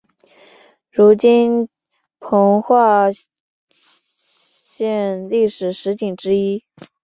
为今彰化县历史十景之一。